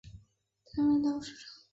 曾担任大学热舞社社长。